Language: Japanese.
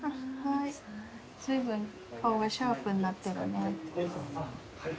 随分顔がシャープになってるね。